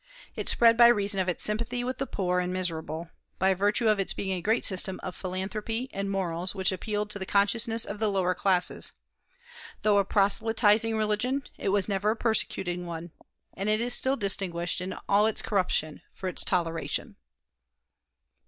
It spread by reason of its sympathy with the poor and miserable, by virtue of its being a great system of philanthropy and morals which appealed to the consciousness of the lower classes. Though a proselyting religion it was never a persecuting one, and is still distinguished, in all its corruption, for its toleration.